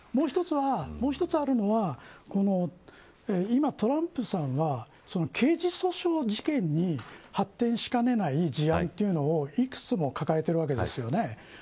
もう一つあるのは今、トランプさんは刑事訴訟事件に発展しかねない事案をいくつも抱えているわけですよね。